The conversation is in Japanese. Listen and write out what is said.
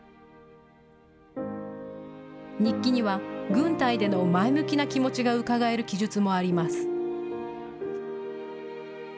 日記には軍隊での前向きな気持ちがうかがえる記述もあります。